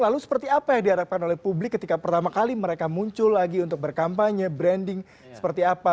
lalu seperti apa yang diharapkan oleh publik ketika pertama kali mereka muncul lagi untuk berkampanye branding seperti apa